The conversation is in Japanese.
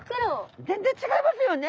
全然ちがいますよね。